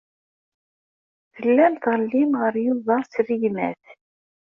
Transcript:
Tellam tɣellim ɣef Yuba s rregmat.